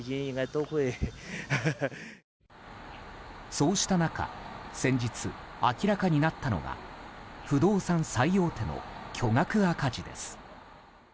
そうした中、先日明らかになったのが不動産最大手の巨額赤字です。